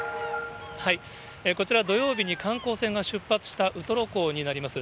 こちら、土曜日に観光船が出発したウトロ港になります。